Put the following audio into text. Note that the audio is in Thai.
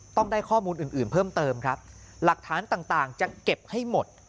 ต้องได้ข้อมูลอื่นอื่นเพิ่มเติมครับหลักฐานต่างจะเก็บให้หมด